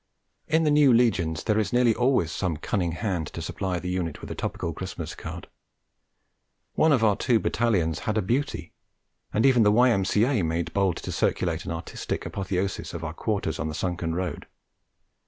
In the new legions there is nearly always some cunning hand to supply the unit with a topical Christmas card: one of our two Battalions had a beauty, and even the Y.M.C.A. made bold to circulate an artistic apotheosis of our quarters on the sunken road.